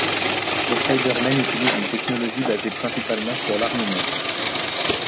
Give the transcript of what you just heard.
Les Cybermen utilisent une technologie basée principalement sur l'armement.